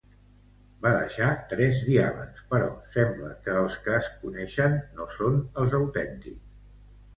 Va deixar tres diàlegs, però sembla que els que es coneixen no són els autèntics.